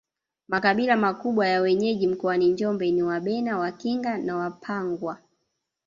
Makabila makubwa ya wenyeji mkoani Njombe ni Wabena Wakinga na Wapangwa